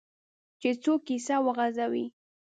چې څوک کیسه وغځوي.